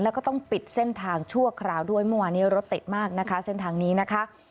แล้วก็ต้องปิดเส้นทางชั่วคราวด้วยเมื่อวานนี้รถติดมากนะคะเส้นทางนี้นะคะ